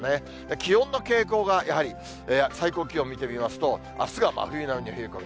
気温の傾向がやはり最高気温見てみますと、あすが真冬並みの冷え込み。